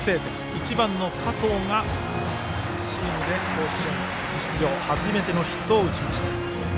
１番、加統がチームで甲子園初出場初めてのヒットを打ちました。